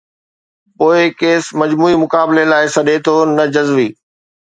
پوءِ ڪيس مجموعي مقابلي لاءِ سڏي ٿو ، نه جزوي.